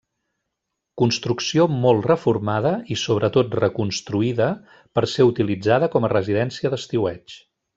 Construcció molt reformada i sobretot reconstruïda per ser utilitzada com a residència d'estiueig.